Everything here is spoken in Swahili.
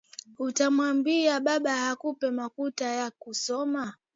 Uta mwambia baba akupe makuta ya kumasomo